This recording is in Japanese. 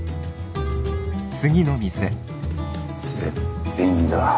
絶品だ。